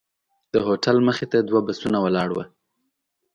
د هوټل مخې ته دوه بسونه ولاړ وو.